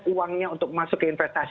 uangnya untuk masuk ke investasi